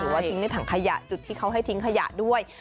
ว่าทิ้งในถังขยะจุดที่เขาให้ทิ้งขยะด้วย